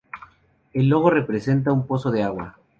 El logo representa un pozo de agua.